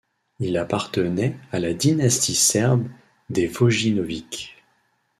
Il appartenait à la dynastie serbe des Vojinović.